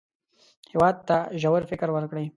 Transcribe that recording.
هېواد ته ژور فکر ورکړئ